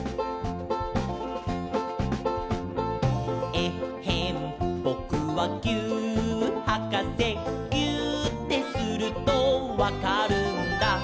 「えっへんぼくはぎゅーっはかせ」「ぎゅーってするとわかるんだ」